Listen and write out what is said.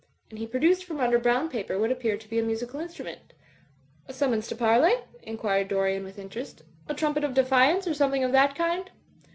'^ And he produced from under brown paper what appeared to be a musical instrument "A summons to parley?" inquired Dorian, with in terest, "a trumpet of defiance, or something of that kind?"